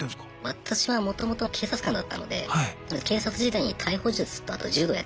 私はもともと警察官だったので警察時代に逮捕術とあと柔道やってましたね。